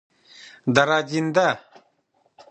دراځینده